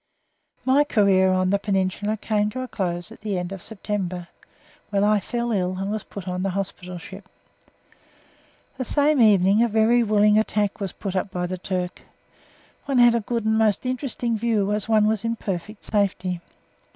My career on the Peninsula came to a close at the end of September, when I fell ill and was put on the hospital ship. The same evening a very willing attack was put up by the Turk. One had a good and most interesting view, as one was in perfect safety.